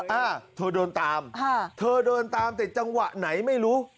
อ่าเธอเดินตามค่ะเธอเดินตามแต่จังหวะไหนไม่รู้